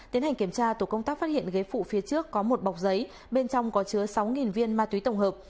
tiến hành kiểm tra tổ công tác phát hiện ghế phụ phía trước có một bọc giấy bên trong có chứa sáu viên ma túy tổng hợp